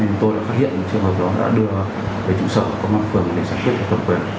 nên tôi đã phát hiện trên vật góp đã đưa senses ở các văn phòng sản xuất kỹ thuật quyền